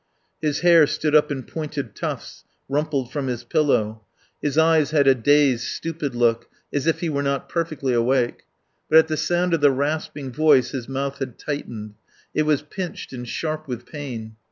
His hair stood up in pointed tufts, rumpled from his pillow. His eyes had a dazed, stupid look as if he were not perfectly awake. But at the sound of the rasping voice his mouth had tightened; it was pinched and sharp with pain.